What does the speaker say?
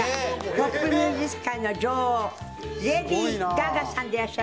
ポップミュージック界の女王レディー・ガガさんでいらっしゃいます。